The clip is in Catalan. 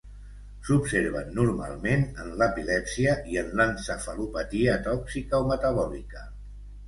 S'observen normalment en l'epilèpsia i en l'encefalopatia tòxica o metabòlica.